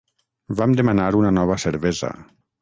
Vam demanar una nova cervesa.